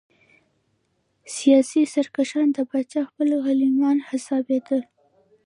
سیاسي سرکښان د پاچا خپل غلیمان حسابېدل.